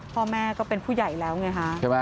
พ่อแม่ก็เป็นผู้ใหญ่แล้วไงฮะ